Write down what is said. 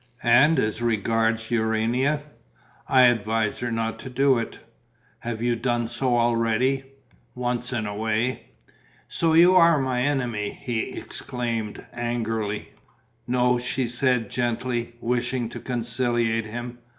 "And as regards Urania?" "I advise her not to do it." "Have you done so already?" "Once in a way." "So you are my enemy?" he exclaimed, angrily. "No," she said, gently, wishing to conciliate him.